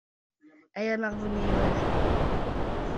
Ay amaɣbun-iw ah.